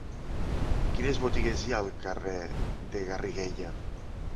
Quines botigues hi ha al carrer de Garriguella?